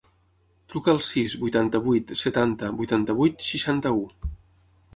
Truca al sis, vuitanta-vuit, setanta, vuitanta-vuit, seixanta-u.